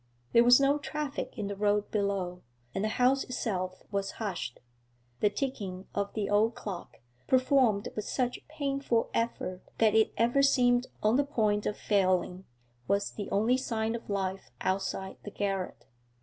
There was no traffic in the road below, and the house itself was hushed; the ticking of the old clock, performed with such painful effort that it ever seemed on the point of failing, was the only sign of life outside the garret.